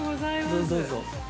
◆どうぞどうぞ。